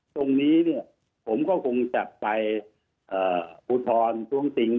ตรงนี้เนี่ยผมก็คงจะไปอุทธรณ์ท้วงติง